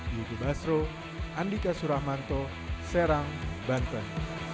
di udibasro andika suramanto serang banten